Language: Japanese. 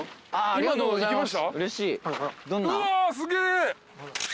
ありがとうございます。